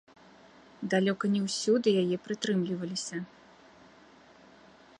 Далёка не ўсюды яе прытрымліваліся.